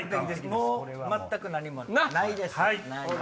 もう全く何もないです。